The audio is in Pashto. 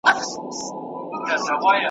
له آمو تر اباسینه